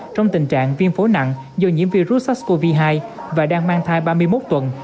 trong tình trạng viêm phố nặng do nhiễm virus sars cov hai và đang mang thai ba mươi một tuần